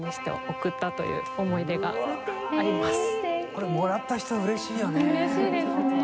これもらった人は嬉しいよね！